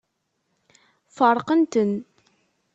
Feṛqen-ten.